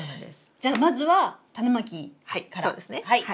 じゃあまずはタネまきからやりますか。